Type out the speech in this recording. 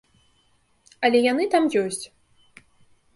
Але яны там ёсць.